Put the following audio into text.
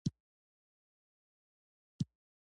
وژنه د عقل د تیارو نښه ده